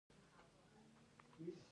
کاناډا د دفاع اداره لري.